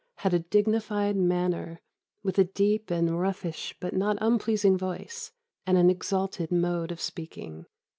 had a dignified manner, with a deep and roughish but not unpleasing voice, and an exalted mode of speaking.